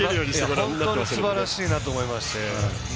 本当にすばらしいなと思いまして。